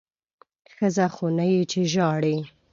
ښځه خو نه یې چې ژاړې!